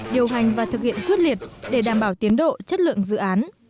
điều hành và thực hiện quyết liệt để đảm bảo tiến độ chất lượng dự án